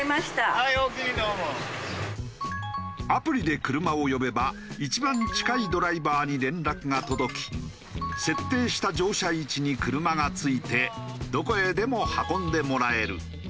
アプリで車を呼べば一番近いドライバーに連絡が届き設定した乗車位置に車が着いてどこへでも運んでもらえる。